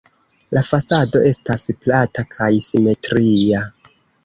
La fasado estas plata kaj simetria.